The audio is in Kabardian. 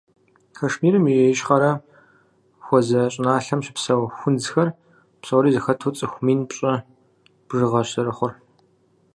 Кашмирым и ищхъэрэм хуэзэ щӏыналъэм щыпсэу хунзхэр псори зэхэту цӏыху мин пщӏы бжыгъэщ зэрыхъур.